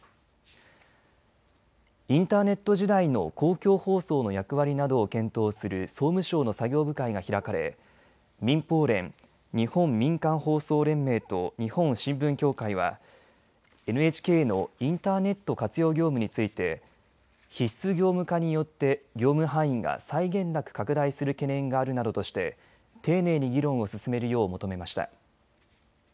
インターネット時代の公共放送の役割などを検討する総務省の作業部会が開かれ民放連日本民間放送連盟と日本新聞協会はＮＨＫのインターネット活用業務について必須業務化によって業務範囲が際限なく拡大する懸念があるなどとして丁寧に議論を進めるよう求めました。